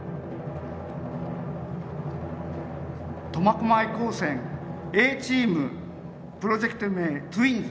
苫小牧高専Ａチームプロジェクト名「ツインズ」。